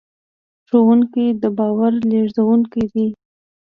ښوونکي د باور لېږدونکي دي.